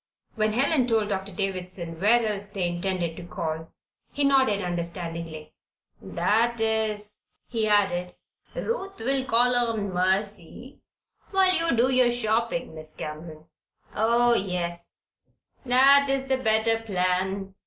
When Helen told Doctor Davison where else they intended to call, he nodded understandingly. "That is," he added, "Ruth will call on Mercy while you do your shopping, Miss Cameron. Oh, yes! that is the better plan.